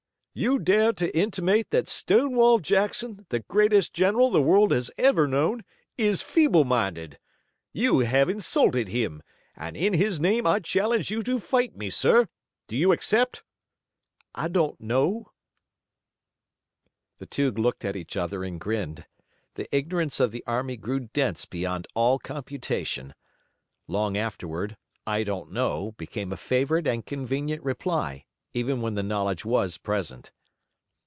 You dare to intimate that Stonewall Jackson, the greatest general the world has ever known, is feeble minded! You have insulted him, and in his name I challenge you to fight me, sir. Do you accept?" "I don't know." The two looked at each other and grinned. The ignorance of the army grew dense beyond all computation. Long afterward, "I don't know," became a favorite and convenient reply, even when the knowledge was present.